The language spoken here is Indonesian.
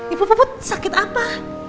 ibu poput sakit apa